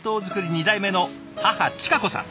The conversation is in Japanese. ２代目の母親子さん。